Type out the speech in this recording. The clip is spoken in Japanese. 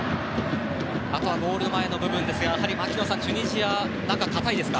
あとはゴール前の部分ですがやはりチュニジア中が堅いですか。